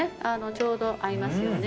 ちょうど合いますよね